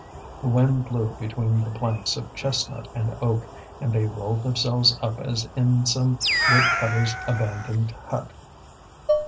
The wind blew between the planks of chestnut and oak, and they rolled themselves up as in some wood cutter's abandoned hut.